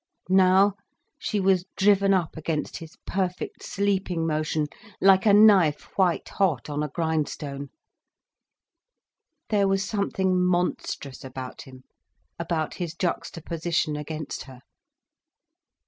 Now she was driven up against his perfect sleeping motion like a knife white hot on a grindstone. There was something monstrous about him, about his juxtaposition against her.